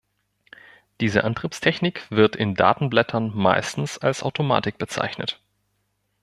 Diese Antriebstechnik wird in Datenblättern meistens als Automatik bezeichnet.